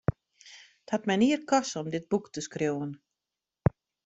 It hat my in jier koste om dit boek te skriuwen.